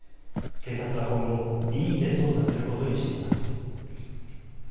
警察は今後、任意で捜査することにしています。